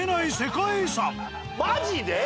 マジで？